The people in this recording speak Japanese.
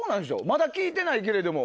まだ聞いてないけれども。